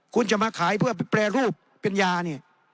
คุณจะมาขายเพื่อแปรรูปเป็นยานี่